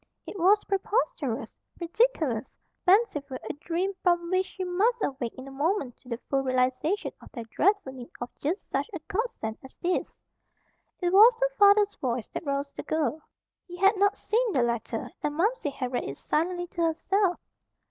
It was preposterous, ridiculous, fanciful, a dream from which she must awake in a moment to the full realization of their dreadful need of just such a godsend as this. It was her father's voice that roused the girl. He had not seen the letter and Momsey had read it silently to herself.